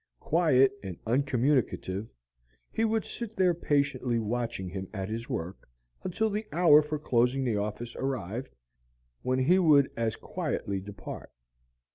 Quiet and uncommunicative, he would sit there patiently watching him at his work until the hour for closing the office arrived, when he would as quietly depart.